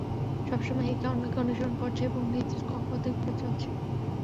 সব সময়ই একে অন্যকে অনুসরণ করছে এবং নিজ নিজ কক্ষপথে ঘুরে চলেছে।